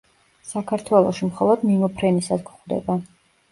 საქართველოში მხოლოდ მიმოფრენისას გვხვდება.